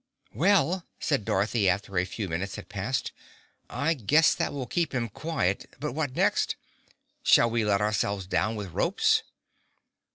"Well," said Dorothy after a few minutes had passed, "I guess that will keep him quiet, but what next? Shall we let ourselves down with ropes?"